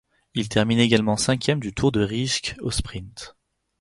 Il termine également cinquième du Tour de Rijke au sprint.